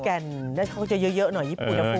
เนี่ยเขาจะเยอะหน่อย